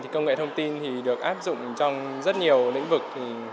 công nghệ thông tin được áp dụng trong rất nhiều lĩnh vực